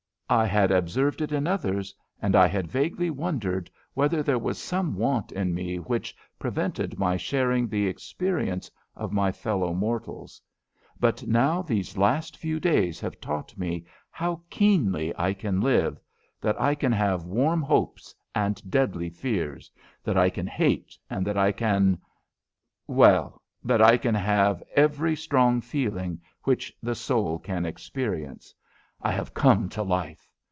I had observed it in others, and I had vaguely wondered whether there was some want in me which prevented my sharing the experience of my fellow mortals. But now these last few days have taught me how keenly I can live that I can have warm hopes and deadly fears that I can hate and that I can well, that I can have every strong feeling which the soul can experience. I have come to life.